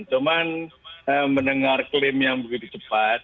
cuman mendengar klaim yang begitu cepat